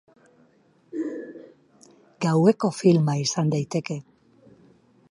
Gaueko filma izan daiteke.